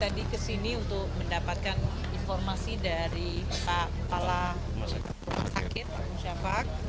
kita tadi kesini untuk mendapatkan informasi dari pak pala pakit pak musyafak